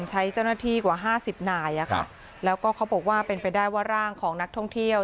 ใช้เจ้าหน้าที่กว่าห้าสิบนายอ่ะค่ะแล้วก็เขาบอกว่าเป็นไปได้ว่าร่างของนักท่องเที่ยว